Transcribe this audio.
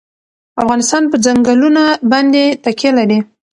افغانستان په ځنګلونه باندې تکیه لري.